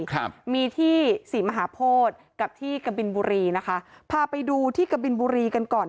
ครับมีที่ศรีมหาโพธิกับที่กะบินบุรีนะคะพาไปดูที่กะบินบุรีกันก่อน